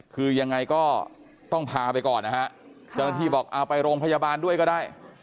คือยังไงก็ต้องพาไปก่อนนะฮะเจ้าหน้าที่บอกเอาไปโรงพยาบาลด้วยก็ได้